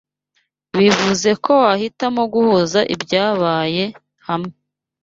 bivuze ko wahitamo guhuza ibyabaye hamwe